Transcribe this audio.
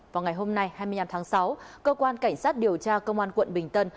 vào ngày hôm nay hai mươi năm tháng sáu cơ quan cảnh sát điều tra công an quận bình tân